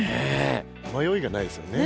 まよいがないですよね。